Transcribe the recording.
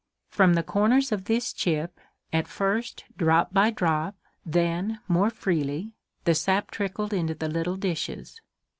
From the corners of this chip at first drop by drop, then, more freely the sap trickled into the little dishes.